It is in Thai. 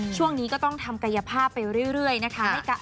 ช่วงนี้ก็ต้องทำกายภาพไปเรื่อยนะคะ